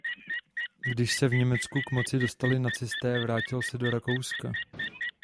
Když se v Německu k moci dostali nacisté vrátil se do Rakouska.